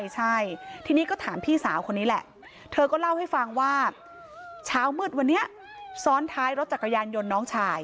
ใช่ทีนี้ก็ถามพี่สาวคนนี้แหละเธอก็เล่าให้ฟังว่าเช้ามืดวันนี้ซ้อนท้ายรถจักรยานยนต์น้องชาย